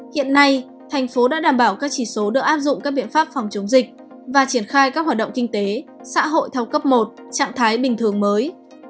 hiện nay thành phố đã đảm bảo các chỉ số được áp dụng các biện pháp phòng chống dịch và triển khai các hoạt động kinh tế xã hội theo cấp một trạng thái bình thường mới